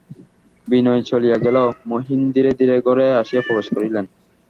বিনয় চলিয়া গেল, মহিম ধীরে ধীরে ঘরে আসিয়া প্রবেশ করিলেন।